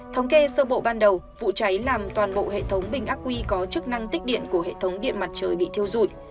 thống kê sơ bộ ban đầu vụ cháy làm toàn bộ hệ thống bình ác quy có chức năng tích điện của hệ thống điện mặt trời bị thiêu dụi